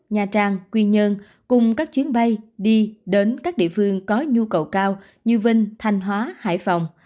nha trang quy nhơn cùng các chuyến bay đi đến các địa phương có nhu cầu cao như vinh thanh hóa hải phòng